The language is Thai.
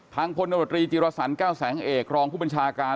พลนตรีจิรสันแก้วแสงเอกรองผู้บัญชาการ